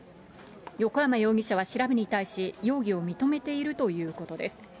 横山容疑者は調べに対し、容疑を認めているということです。